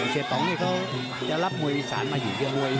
เซียบต้องนี่เขาจะรับมวยอีสานมาอยู่ด้วย